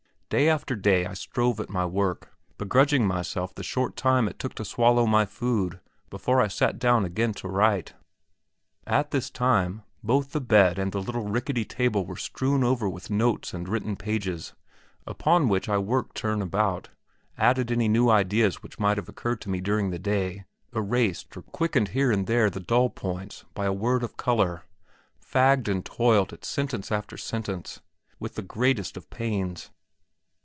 Day after day I strove at my work, begrudging myself the short time it took to swallow my food before I sat down again to write. At this time both the bed and the little rickety table were strewn over with notes and written pages, upon which I worked turn about, added any new ideas which might have occurred to me during the day, erased, or quickened here and there the dull points by a word of colour fagged and toiled at sentence after sentence, with the greatest of pains.